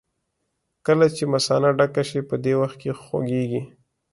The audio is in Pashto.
کله چې مثانه ډکه شي په دې وخت کې خوږېږي.